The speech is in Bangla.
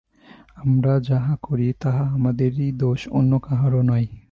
আমরা যাহা করি, তাহা আমাদেরই দোষ, অন্য কাহারও নয়।